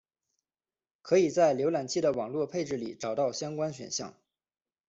可以在浏览器的网络配置里找到相关选项。